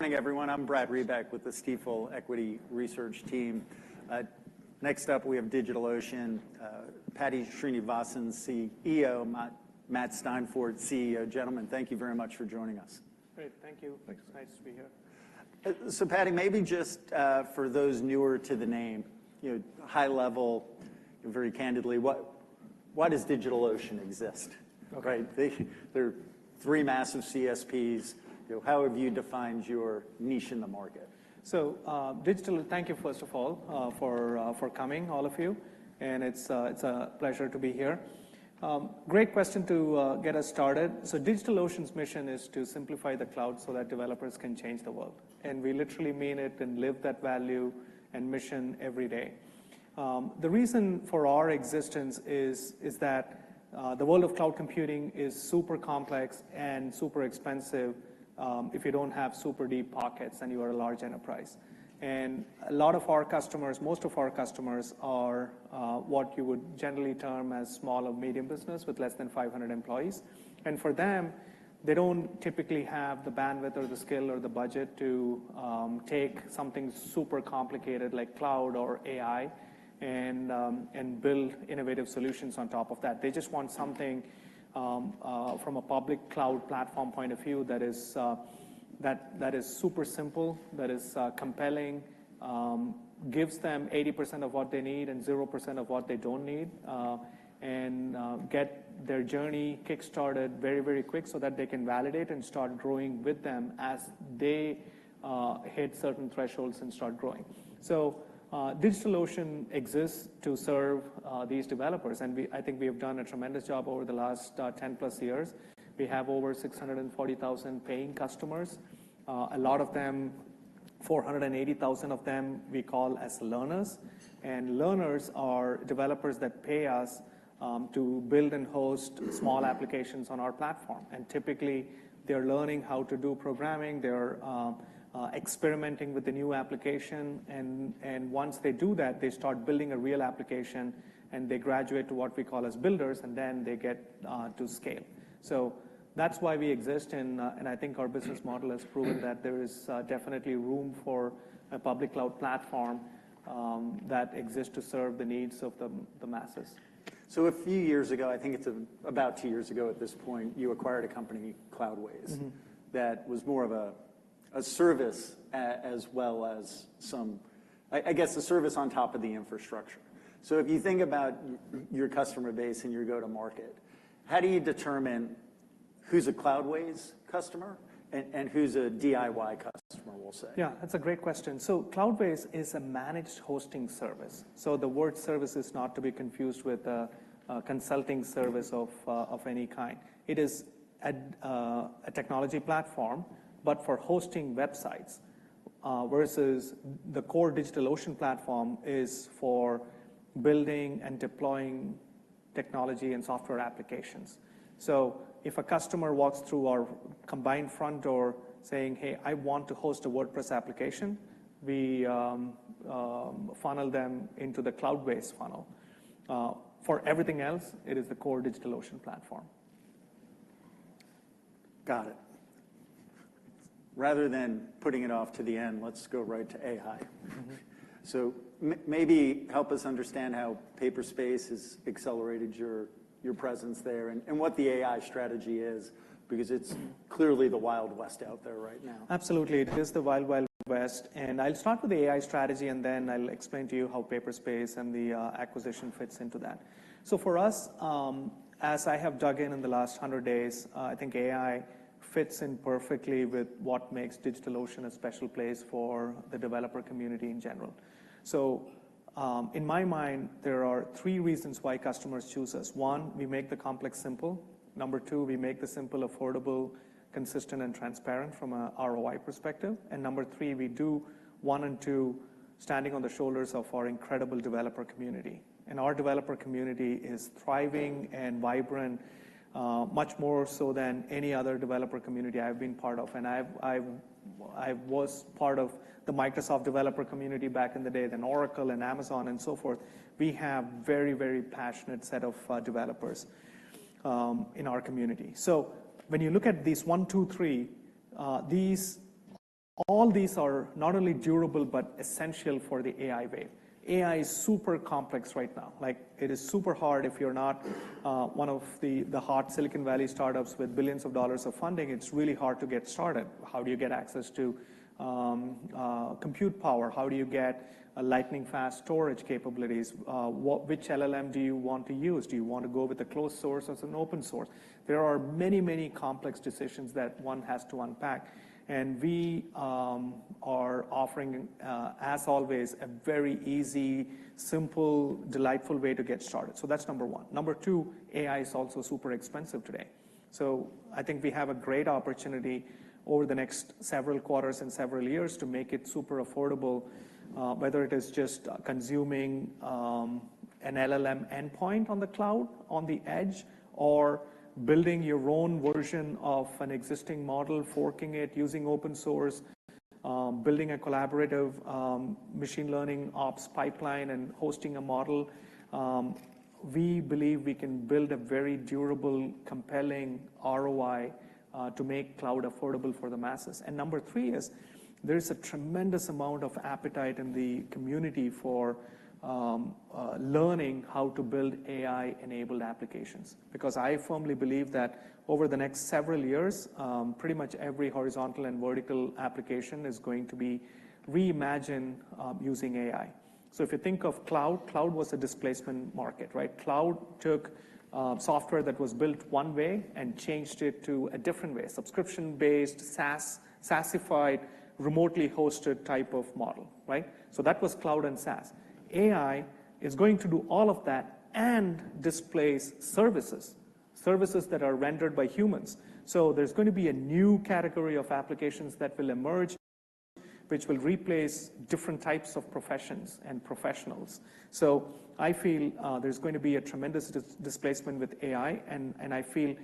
Good morning, everyone. I'm Brad Reback with the Stifel Equity Research team. Next up, we have DigitalOcean, Paddy Srinivasan, CEO, Matt Steinfort, CFO. Gentlemen, thank you very much for joining us. Great, thank you. Thanks. It's nice to be here. So, Paddy, maybe just for those newer to the name, you know, high level and very candidly, what, why does DigitalOcean exist? Okay. Right? There are three massive CSPs. You know, how have you defined your niche in the market? Thank you, first of all, for, for coming, all of you, and it's a, it's a pleasure to be here. Great question to get us started. So DigitalOcean's mission is to simplify the cloud so that developers can change the world, and we literally mean it and live that value and mission every day. The reason for our existence is, is that the world of cloud computing is super complex and super expensive, if you don't have super deep pockets and you are a large enterprise. A lot of our customers, most of our customers are what you would generally term as small or medium business with less than 500 employees. For them, they don't typically have the bandwidth or the skill or the budget to take something super complicated like cloud or AI and build innovative solutions on top of that. They just want something from a public cloud platform point of view, that is super simple, that is compelling, gives them 80% of what they need and 0% of what they don't need. Get their journey kick-started very, very quick so that they can validate and start growing with them as they hit certain thresholds and start growing. So DigitalOcean exists to serve these developers, and I think we have done a tremendous job over the last 10-plus years. We have over 640,000 paying customers. A lot of them, 480,000 of them, we call as learners, and learners are developers that pay us to build and host small applications on our platform. And typically, they're learning how to do programming, they're experimenting with the new application, and once they do that, they start building a real application, and they graduate to what we call as builders, and then they get to scale. So that's why we exist, and I think our business model has proven that there is definitely room for a public cloud platform that exists to serve the needs of the masses. A few years ago, I think it's about 2 years ago at this point, you acquired a company, Cloudways that was more of a service as well as some... I guess a service on top of the infrastructure. So if you think about your customer base and your go-to-market, how do you determine who's a Cloudways customer and who's a DIY customer, we'll say? Yeah, that's a great question. So Cloudways is a managed hosting service, so the word service is not to be confused with a consulting service of any kind. It is a technology platform, but for hosting websites, versus the core DigitalOcean platform is for building and deploying technology and software applications. So if a customer walks through our combined front door saying, "Hey, I want to host a WordPress application," we funnel them into the Cloudways funnel. For everything else, it is the core DigitalOcean platform. Got it. Rather than putting it off to the end, let's go right to AI. So maybe help us understand how Paperspace has accelerated your presence there and what the AI strategy is, because it's clearly the Wild West out there right now. Absolutely. It is the Wild Wild West, and I'll start with the AI strategy, and then I'll explain to you how Paperspace and the acquisition fits into that. So for us, as I have dug in in the last 100 days, I think AI fits in perfectly with what makes DigitalOcean a special place for the developer community in general. So, in my mind, there are three reasons why customers choose us. One, we make the complex simple. Number two, we make the simple affordable, consistent, and transparent from a ROI perspective. And number three, we do one and two, standing on the shoulders of our incredible developer community. And our developer community is thriving and vibrant, much more so than any other developer community I've been part of. And I was part of the Microsoft developer community back in the day, then Oracle and Amazon and so forth. We have very, very passionate set of developers in our community. So when you look at these one, two, three, these, all these are not only durable but essential for the AI wave. AI is super complex right now. Like, it is super hard if you're not one of the hot Silicon Valley startups with billions of dollars of funding, it's really hard to get started. How do you get access to compute power? How do you get a lightning-fast storage capabilities? What, which LLM do you want to use? Do you want to go with a closed source as an open source? There are many, many complex decisions that one has to unpack, and we are offering, as always, a very easy, simple, delightful way to get started. So that's number one. Number two, AI is also super expensive today. So I think we have a great opportunity over the next several quarters and several years to make it super affordable, whether it is just consuming an LLM endpoint on the cloud, on the edge, or building your own version of an existing model, forking it using open source, building a collaborative, machine learning ops pipeline, and hosting a model. We believe we can build a very durable, compelling ROI to make cloud affordable for the masses. And number three is there is a tremendous amount of appetite in the community for learning how to build AI-enabled applications. Because I firmly believe that over the next several years, pretty much every horizontal and vertical application is going to be reimagined using AI. So if you think of cloud, cloud was a displacement market, right? Cloud took software that was built one way and changed it to a different way: subscription-based, SaaS, SaaSified, remotely hosted type of model, right? So that was cloud and SaaS. AI is going to do all of that and displace services, services that are rendered by humans. So there's going to be a new category of applications that will emerge, which will replace different types of professions and professionals. So I feel there's going to be a tremendous displacement with AI, and I feel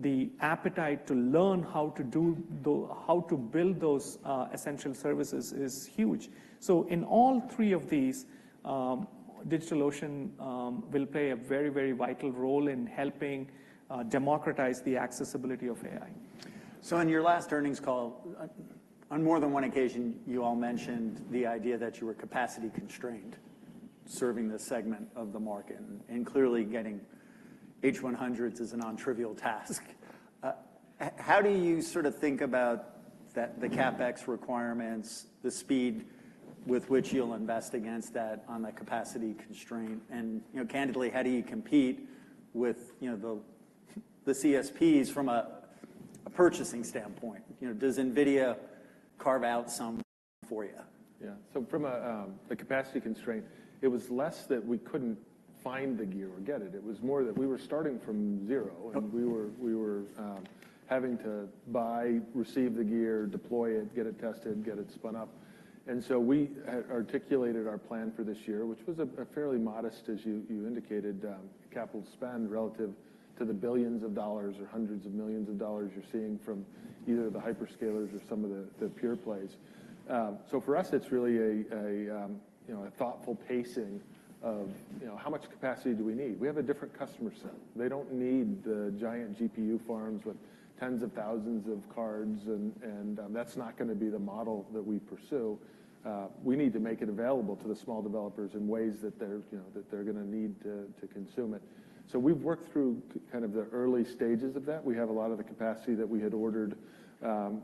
the appetite to learn how to build those essential services is huge. So in all three of these, DigitalOcean will play a very, very vital role in helping democratize the accessibility of AI. So in your last earnings call, on more than one occasion, you all mentioned the idea that you were capacity constrained, serving this segment of the market, and clearly getting H100s is a nontrivial task. How do you sort of think about that, the CapEx requirements, the speed with which you'll invest against that on the capacity constraint? And, you know, candidly, how do you compete with, you know, the CSPs from a purchasing standpoint? You know, does NVIDIA carve out some for you? Yeah. So from a capacity constraint, it was less that we couldn't find the gear or get it. It was more that we were starting from zero- Yep. and we were having to buy, receive the gear, deploy it, get it tested, get it spun up. And so we articulated our plan for this year, which was a fairly modest, as you indicated, capital spend, relative to the billions of dollars or hundreds of millions of dollars you're seeing from either the hyperscalers or some of the pure plays. So for us, it's really a you know, a thoughtful pacing of you know, how much capacity do we need? We have a different customer set. They don't need the giant GPU farms with tens of thousands of cards and that's not gonna be the model that we pursue. We need to make it available to the small developers in ways that they're you know, that they're gonna need to consume it. So we've worked through kind of the early stages of that. We have a lot of the capacity that we had ordered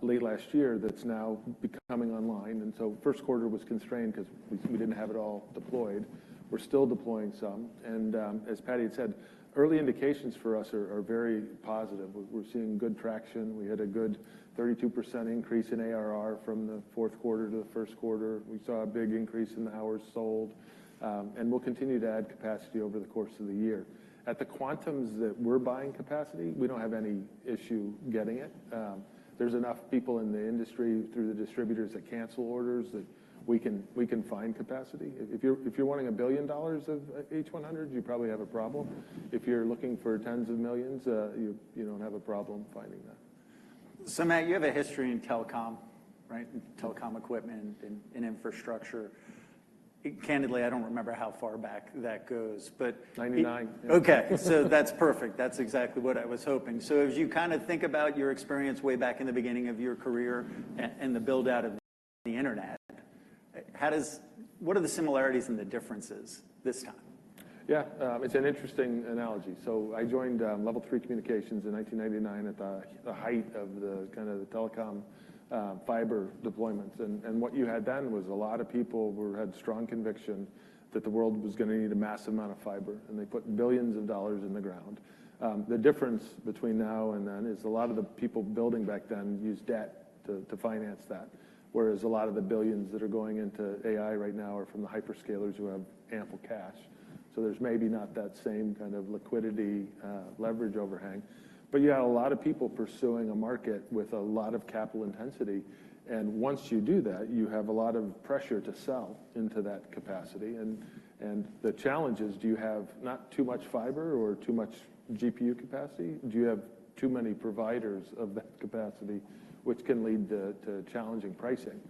late last year that's now becoming online, and so first quarter was constrained 'cause we didn't have it all deployed. We're still deploying some, and as Paddy had said, early indications for us are very positive. We're seeing good traction. We had a good 32% increase in ARR from the fourth quarter to the first quarter. We saw a big increase in the hours sold, and we'll continue to add capacity over the course of the year. At the quantums that we're buying capacity, we don't have any issue getting it. There's enough people in the industry, through the distributors, that cancel orders that we can find capacity. If you're wanting $1 billion of H100, you probably have a problem. If you're looking for tens of millions, you don't have a problem finding that. So, Matt, you have a history in telecom, right? Telecom equipment and infrastructure. Candidly, I don't remember how far back that goes, but- Ninety-nine. Okay, so that's perfect. That's exactly what I was hoping. So as you kind of think about your experience way back in the beginning of your career and the build-out of the Internet, how does... What are the similarities and the differences this time? Yeah, it's an interesting analogy. So I joined Level 3 Communications in 1999 at the height of the kind of the telecom fiber deployments. And what you had then was a lot of people had strong conviction that the world was gonna need a massive amount of fiber, and they put $ billions in the ground. The difference between now and then is a lot of the people building back then used debt to finance that, whereas a lot of the $ billions that are going into AI right now are from the hyperscalers, who have ample cash. So there's maybe not that same kind of liquidity leverage overhang. But you have a lot of people pursuing a market with a lot of capital intensity, and once you do that, you have a lot of pressure to sell into that capacity. The challenge is, do you have not too much fiber or too much GPU capacity? Do you have too many providers of that capacity, which can lead to challenging pricing?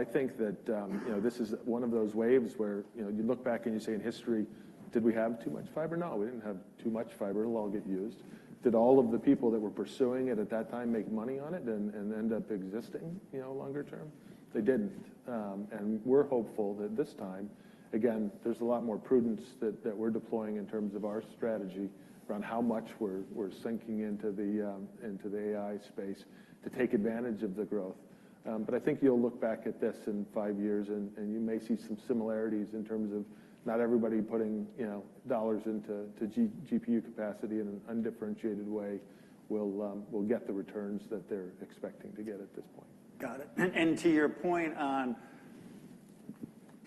I think that, you know, this is one of those waves where, you know, you look back and you say, in history, did we have too much fiber? No, we didn't have too much fiber. It'll all get used. Did all of the people that were pursuing it at that time make money on it and end up existing, you know, longer term? They didn't. We're hopeful that this time, again, there's a lot more prudence that we're deploying in terms of our strategy around how much we're sinking into the AI space to take advantage of the growth. But I think you'll look back at this in five years and you may see some similarities in terms of not everybody putting, you know, dollars into GPU capacity in an undifferentiated way will get the returns that they're expecting to get at this point. Got it. And to your point on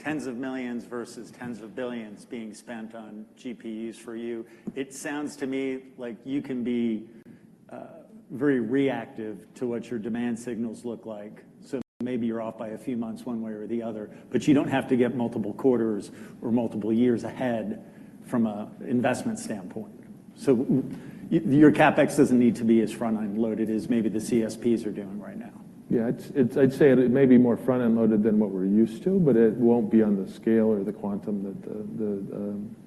tens of millions versus tens of billions being spent on GPUs for you, it sounds to me like you can be very reactive to what your demand signals look like. So maybe you're off by a few months one way or the other, but you don't have to get multiple quarters or multiple years ahead from an investment standpoint. So your CapEx doesn't need to be as front-end loaded as maybe the CSPs are doing right now. Yeah, it's. I'd say it may be more front-end loaded than what we're used to, but it won't be on the scale or the quantum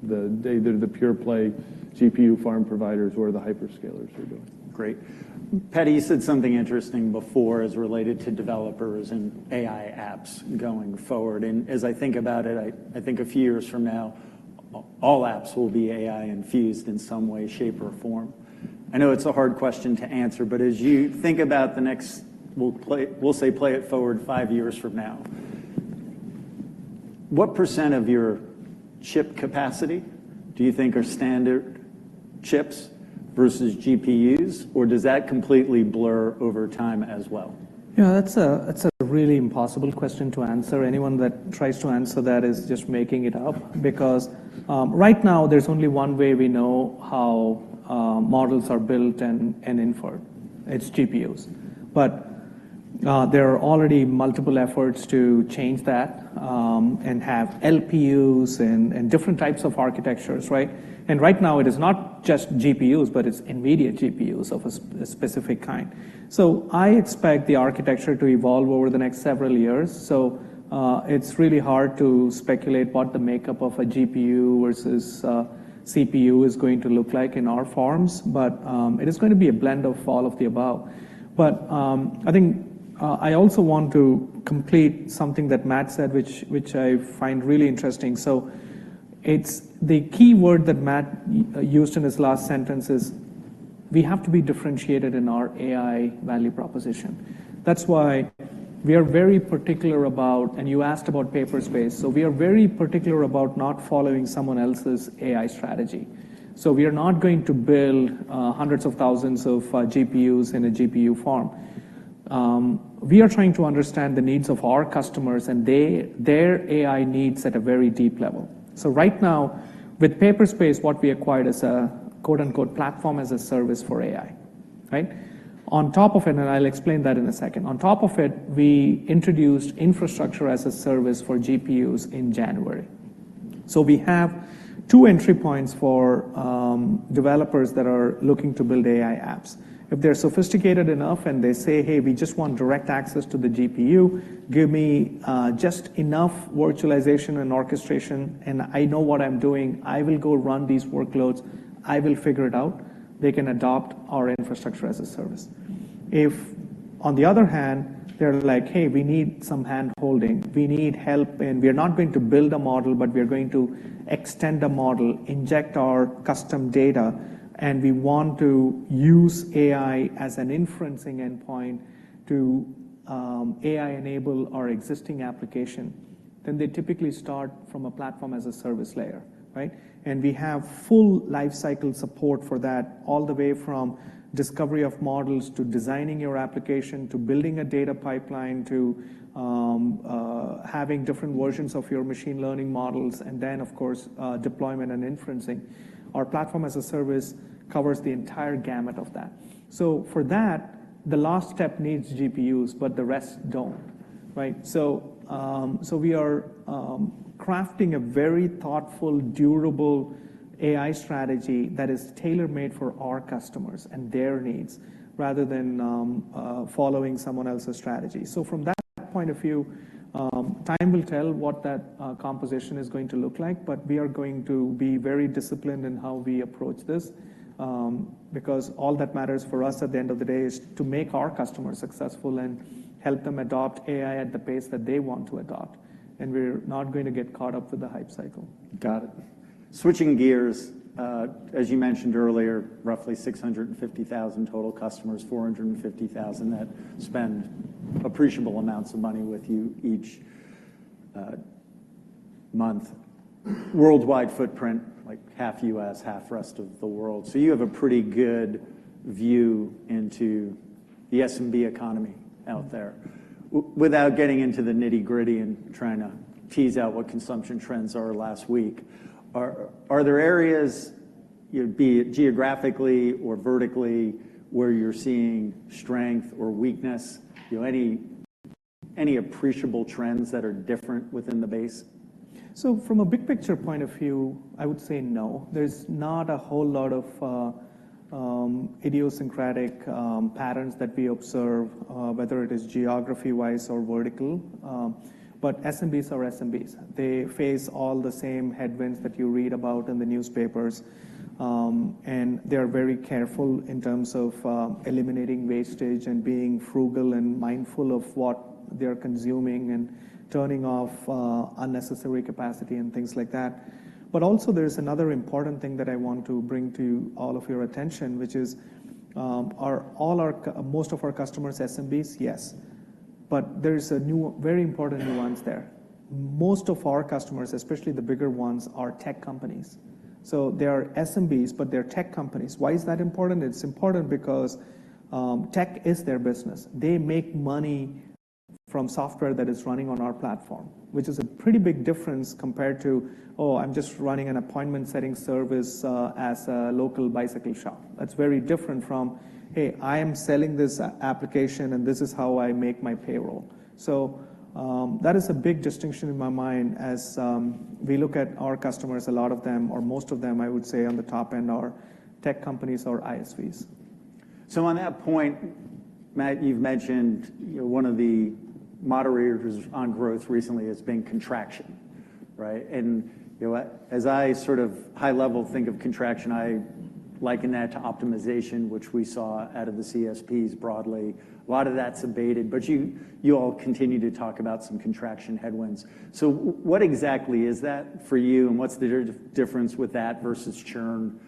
that the pure play GPU farm providers or the hyperscalers are doing. Great. Paddy, you said something interesting before as related to developers and AI apps going forward, and as I think about it, I think a few years from now, all apps will be AI infused in some way, shape, or form. I know it's a hard question to answer, but as you think about the next... We'll play, we'll say, play it forward five years from now, what % of your chip capacity do you think are standard chips versus GPUs, or does that completely blur over time as well? Yeah, that's a really impossible question to answer. Anyone that tries to answer that is just making it up, because right now, there's only one way we know how models are built and inferred. It's GPUs. But there are already multiple efforts to change that, and have LPUs and different types of architectures, right? And right now, it is not just GPUs, but it's immediate GPUs of a specific kind. So I expect the architecture to evolve over the next several years. So it's really hard to speculate what the makeup of a GPU versus CPU is going to look like in our farms, but it is gonna be a blend of all of the above. But I think I also want to complete something that Matt said, which I find really interesting. So it's the key word that Matt used in his last sentence is, "We have to be differentiated in our AI value proposition." That's why we are very particular about... And you asked about Paperspace. So we are very particular about not following someone else's AI strategy. So we are not going to build hundreds of thousands of GPUs in a GPU farm. We are trying to understand the needs of our customers and their AI needs at a very deep level. So right now, with Paperspace, what we acquired is a quote, unquote, "platform as a service for AI." Right? On top of it, and I'll explain that in a second. On top of it, we introduced infrastructure as a service for GPUs in January. So we have two entry points for developers that are looking to build AI apps. If they're sophisticated enough, and they say, "Hey, we just want direct access to the GPU, give me just enough virtualization and orchestration, and I know what I'm doing. I will go run these workloads. I will figure it out," they can adopt our infrastructure as a service. If, on the other hand, they're like: "Hey, we need some handholding. We need help, and we are not going to build a model, but we are going to extend a model, inject our custom data, and we want to use AI as an inferencing endpoint to AI-enable our existing application," then they typically start from a platform as a service layer, right? We have full life cycle support for that, all the way from discovery of models, to designing your application, to building a data pipeline, to having different versions of your machine learning models, and then, of course, deployment and inferencing. Our platform as a service covers the entire gamut of that. So for that, the last step needs GPUs, but the rest don't, right? We are crafting a very thoughtful, durable AI strategy that is tailor-made for our customers and their needs, rather than following someone else's strategy. So from that point of view, time will tell what that composition is going to look like, but we are going to be very disciplined in how we approach this. Because all that matters for us at the end of the day is to make our customers successful and help them adopt AI at the pace that they want to adopt, and we're not going to get caught up with the hype cycle. Got it. Switching gears, as you mentioned earlier, roughly 650,000 total customers, 450,000 that spend appreciable amounts of money with you each month. Worldwide footprint, like half U.S., half rest of the world. So you have a pretty good view into the SMB economy out there. Without getting into the nitty-gritty and trying to tease out what consumption trends are last week, are there areas, be it geographically or vertically, where you're seeing strength or weakness? You know, any appreciable trends that are different within the base? So from a big picture point of view, I would say no. There's not a whole lot of idiosyncratic patterns that we observe, whether it is geography-wise or vertical. But SMBs are SMBs. They face all the same headwinds that you read about in the newspapers, and they are very careful in terms of eliminating wastage and being frugal and mindful of what they are consuming, and turning off unnecessary capacity and things like that. But also, there's another important thing that I want to bring to all of your attention, which is, are all our most of our customers SMBs? Yes. But there is a new, very important new ones there. Most of our customers, especially the bigger ones, are tech companies. So they are SMBs, but they're tech companies. Why is that important? It's important because, tech is their business. They make money from software that is running on our platform, which is a pretty big difference compared to, "Oh, I'm just running an appointment-setting service, as a local bicycle shop." That's very different from, "Hey, I am selling this application, and this is how I make my payroll." So, that is a big distinction in my mind as, we look at our customers, a lot of them, or most of them, I would say, on the top end, are tech companies or ISVs. So on that point, Matt, you've mentioned, you know, one of the moderators on growth recently has been contraction, right? And, you know, as I sort of high level think of contraction, I liken that to optimization, which we saw out of the CSPs broadly. A lot of that's abated, but you all continue to talk about some contraction headwinds. So what exactly is that for you, and what's the difference with that versus churn,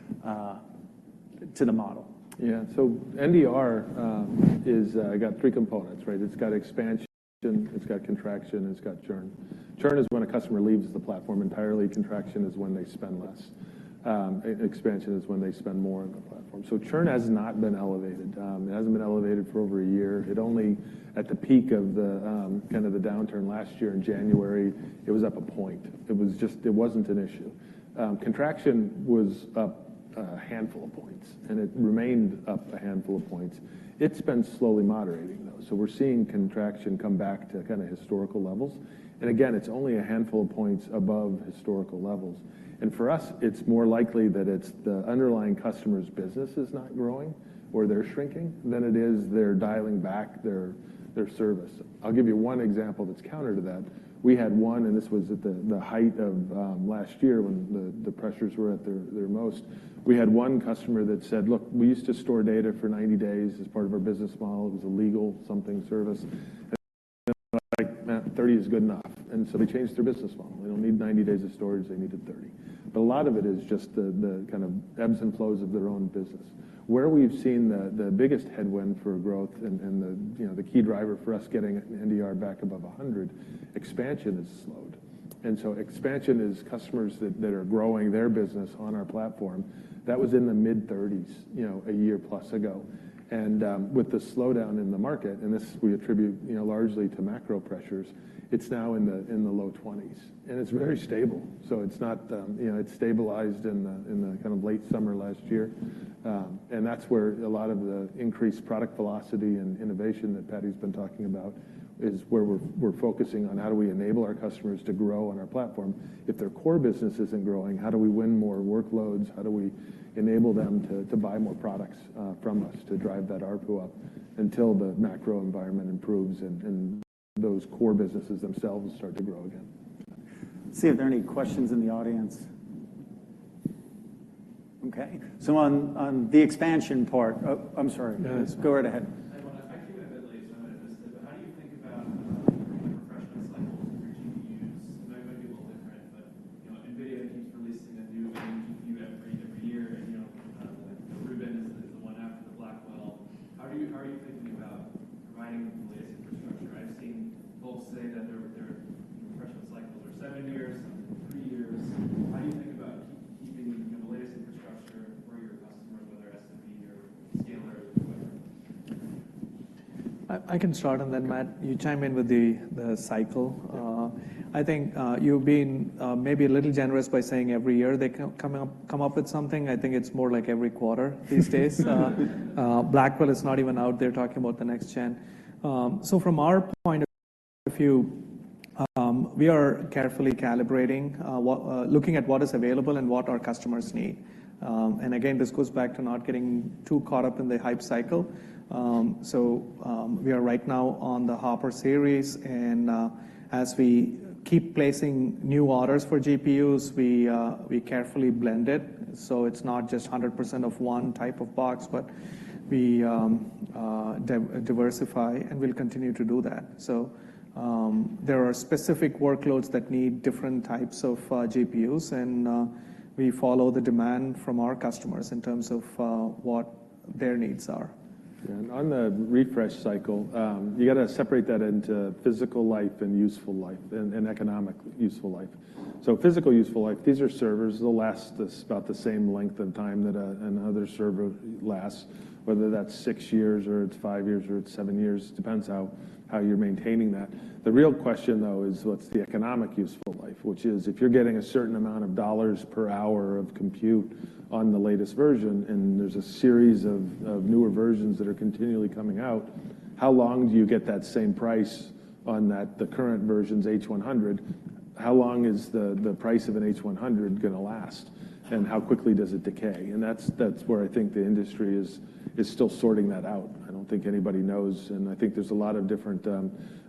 to the model? Yeah. So NDR is... It got three components, right? It's got expansion, it's got contraction, and it's got churn. Churn is when a customer leaves the platform entirely. Contraction is when they spend less. Expansion is when they spend more on the platform. So churn has not been elevated. It hasn't been elevated for over a year. It only, at the peak of the, kind of the downturn last year in January, it was up a point. It was just it wasn't an issue. Contraction was up a handful of points, and it remained up a handful of points. It's been slowly moderating, though, so we're seeing contraction come back to kinda historical levels. And again, it's only a handful of points above historical levels. And for us, it's more likely that it's the underlying customer's business is not growing, or they're shrinking, than it is they're dialing back their service. I'll give you one example that's counter to that. We had one, and this was at the height of last year when the pressures were at their most. We had one customer that said, "Look, we used to store data for 90 days as part of our business model." It was a legal something service. They were like, "30 is good enough," and so they changed their business model. They don't need 90 days of storage. They needed 30. But a lot of it is just the kind of ebbs and flows of their own business. Where we've seen the biggest headwind for growth and the key driver for us getting NDR back above 100, expansion has slowed. And so expansion is customers that are growing their business on our platform. That was in the mid-30s, you know, a year plus ago. And with the slowdown in the market, and this we attribute, you know, largely to macro pressures, it's now in the low 20s, and it's very stable. So it's not... You know, it stabilized in the kind of late summer last year. And that's where a lot of the increased product velocity and innovation that Paddy's been talking about is where we're focusing on: how do we enable our customers to grow on our platform? If their core business isn't growing, how do we win more workloads? How do we enable them to buy more products from us to drive that ARPU up until the macro environment improves and those core businesses themselves start to grow again? See if there are any questions in the audience. Okay, so on the expansion part... Oh, I'm sorry. No, that's. Go right ahead. So we are right now on the Hopper series, and as we keep placing new orders for GPUs, we carefully blend it, so it's not just 100% of one type of box, but we diversify, and we'll continue to do that. There are specific workloads that need different types of GPUs, and we follow the demand from our customers in terms of what their needs are. Yeah. On the refresh cycle, you gotta separate that into physical life and useful life and economic useful life. So physical useful life, these are servers. They'll last us about the same length of time that another server lasts, whether that's 6 years, or it's 5 years, or it's 7 years, depends how you're maintaining that. The real question, though, is: what's the economic useful life? Which is, if you're getting a certain amount of $ per hour of compute on the latest version, and there's a series of newer versions that are continually coming out, how long do you get that same price on that, the current version's H100? How long is the price of an H100 gonna last, and how quickly does it decay? And that's where I think the industry is still sorting that out. I don't think anybody knows, and I think there's a lot of different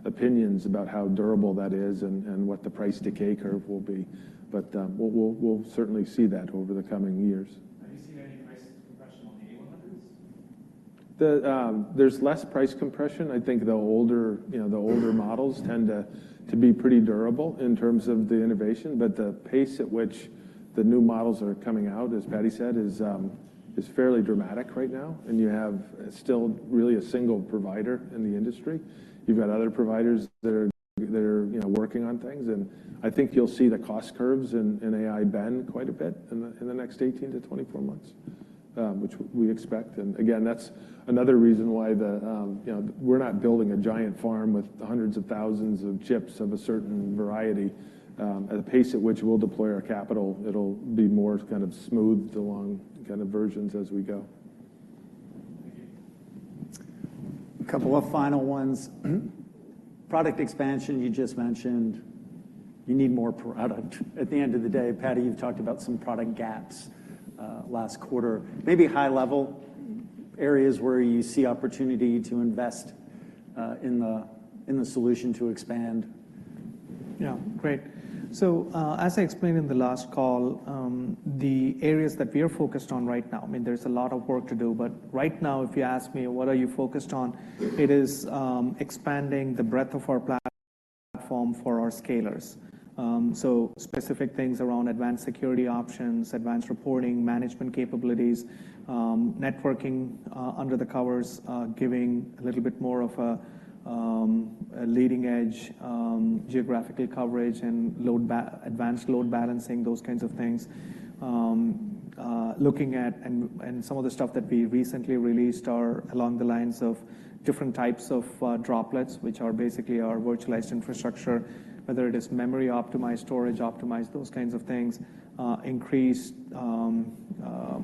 opinions about how durable that is and what the price decay curve will be. But, we'll certainly see that over the coming years. Have you seen any price compression on the A100s? There's less price compression. I think the older, you know, the older models tend to be pretty durable in terms of the innovation, but the pace at which the new models are coming out, as Paddy said, is fairly dramatic right now, and you have still really a single provider in the industry. You've got other providers that are, you know, working on things, and I think you'll see the cost curves in AI bend quite a bit in the next 18-24 months, which we expect. And again, that's another reason why, you know, we're not building a giant farm with hundreds of thousands of chips of a certain variety. At the pace at which we'll deploy our capital, it'll be more kind of smoothed along kind of versions as we go. Thank you. A couple of final ones. Product expansion, you just mentioned, you need more product. At the end of the day, Paddy, you've talked about some product gaps last quarter. Maybe high-level areas where you see opportunity to invest in the solution to expand. Yeah, great. So, as I explained in the last call, the areas that we are focused on right now, I mean, there's a lot of work to do, but right now, if you ask me, "What are you focused on?" It is, expanding the breadth of our platform for our scalers. So specific things around advanced security options, advanced reporting, management capabilities, networking, under the covers, giving a little bit more of a, a leading-edge, geographical coverage and advanced load balancing, those kinds of things. Looking at and some of the stuff that we recently released are along the lines of different types of, droplets, which are basically our virtualized infrastructure, whether it is memory-optimized, storage-optimized, those kinds of things, increased,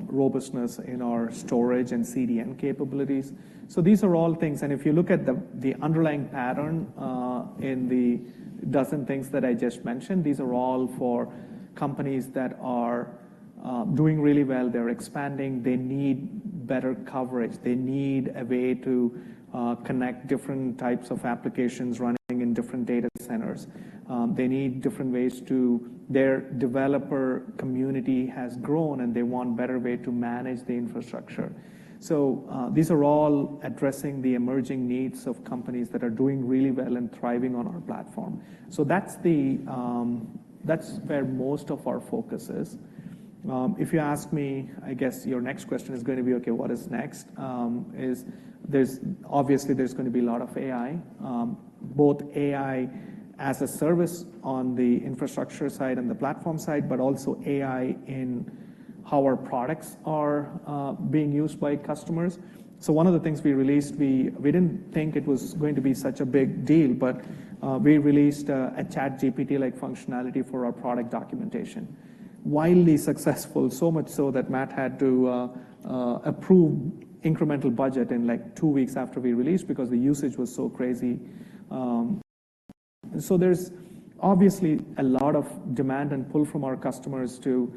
robustness in our storage and CDN capabilities. So these are all things... And if you look at the underlying pattern in the dozen things that I just mentioned, these are all for companies that are doing really well. They're expanding. They need better coverage. They need a way to connect different types of applications running in different data centers. They need different ways to. Their developer community has grown, and they want better way to manage the infrastructure. So, these are all addressing the emerging needs of companies that are doing really well and thriving on our platform. So that's where most of our focus is. If you ask me, I guess your next question is gonna be, "Okay, what is next?" Obviously, there's gonna be a lot of AI, both AI as a service on the infrastructure side and the platform side, but also AI in how our products are being used by customers. So one of the things we released, we didn't think it was going to be such a big deal, but we released a ChatGPT-like functionality for our product documentation. Widely successful, so much so that Matt had to approve incremental budget in, like, two weeks after we released because the usage was so crazy. So there's obviously a lot of demand and pull from our customers to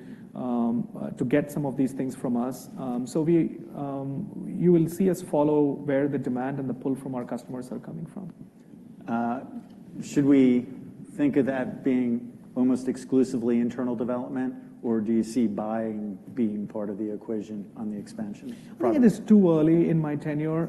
get some of these things from us. So you will see us follow where the demand and the pull from our customers are coming from. Should we think of that being almost exclusively internal development, or do you see buying being part of the equation on the expansion product? I think it is too early in my tenure.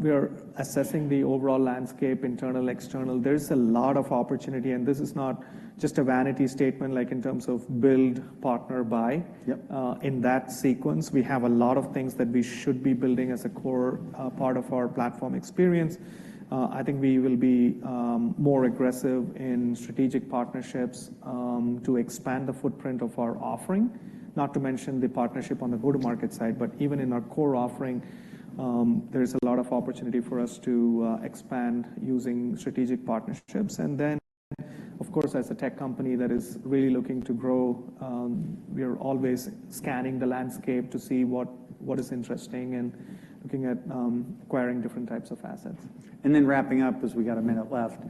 We are assessing the overall landscape, internal, external. There's a lot of opportunity, and this is not just a vanity statement, like, in terms of build, partner, buy. Yep. In that sequence, we have a lot of things that we should be building as a core part of our platform experience. I think we will be more aggressive in strategic partnerships to expand the footprint of our offering, not to mention the partnership on the go-to-market side. But even in our core offering, there is a lot of opportunity for us to expand using strategic partnerships. And then, of course, as a tech company that is really looking to grow, we are always scanning the landscape to see what is interesting and looking at acquiring different types of assets. And then wrapping up, 'cause we got a minute left,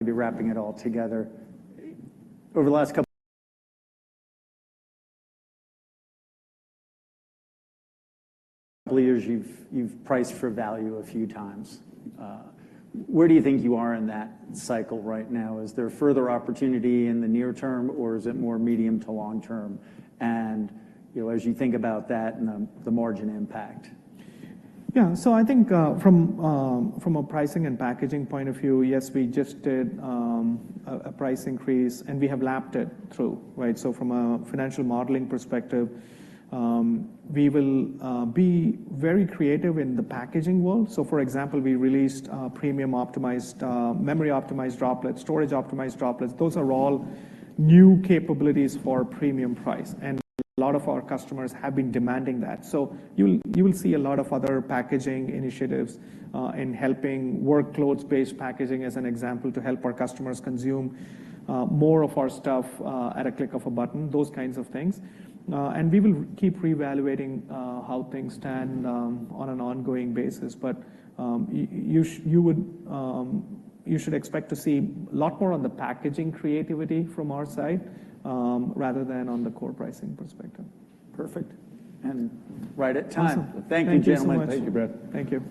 maybe wrapping it all together. Over the last couple years, you've priced for value a few times. Where do you think you are in that cycle right now? Is there further opportunity in the near term, or is it more medium to long term? And, you know, as you think about that and the margin impact. Yeah. So I think, from, from a pricing and packaging point of view, yes, we just did a price increase, and we have lapped it through, right? So from a financial modeling perspective, we will be very creative in the packaging world. So for example, we released premium optimized memory-optimized Droplets, storage-optimized Droplets. Those are all new capabilities for premium price, and a lot of our customers have been demanding that. So you'll, you will see a lot of other packaging initiatives in helping workloads-based packaging, as an example, to help our customers consume more of our stuff at a click of a button, those kinds of things. And we will keep reevaluating how things stand on an ongoing basis. But, you should expect to see a lot more on the packaging creativity from our side, rather than on the core pricing perspective. Perfect. Right at time. Awesome. Thank you, gentlemen. Thank you so much. Thank you, Brad. Thank you.